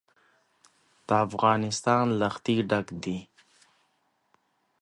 افغانستان له ښتې ډک دی.